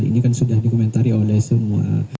ini kan sudah dikomentari oleh semua